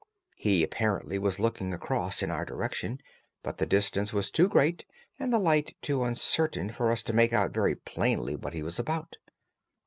He apparently was looking across in our direction, but the distance was too great and the light too uncertain for us to make out very plainly what he was about.